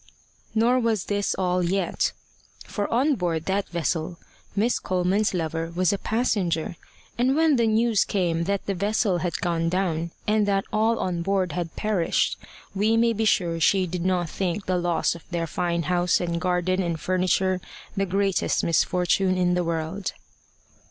Nor was this all yet. For on board that vessel Miss Coleman's lover was a passenger; and when the news came that the vessel had gone down, and that all on board had perished, we may be sure she did not think the loss of their fine house and garden and furniture the greatest misfortune in the world.